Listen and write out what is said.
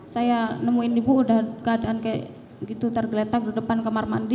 saya nemuin ibu udah keadaan kayak gitu tergeletak di depan kamar mandi